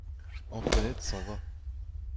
Antoinette s'en va.